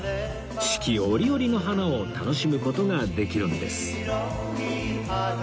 四季折々の花を楽しむ事ができるんです